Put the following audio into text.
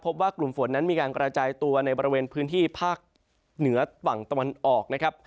พบว่ากลุ่มฝนนั้นมีการกระจายตัวในบริเวณพื้นที่ภาคเหนือฝั่งตะวันออกนะครับ